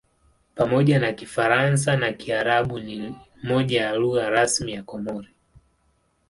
Pamoja na Kifaransa na Kiarabu ni moja ya lugha rasmi ya Komori.